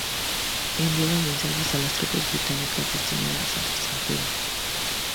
Enviaba mensajes a las tropas británicas destinadas al extranjero.